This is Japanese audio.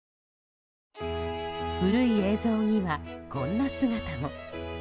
古い映像には、こんな姿も。